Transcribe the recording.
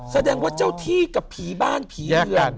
แสดงว่าเจ้าที่กับผีบ้านผีเรือน